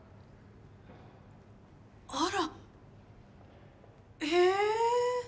あらへえ。